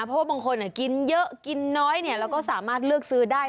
เพราะว่าบางคนกินเยอะกินน้อยแล้วก็สามารถเลือกซื้อได้